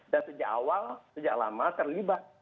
dan sejak awal sejak lama terlibat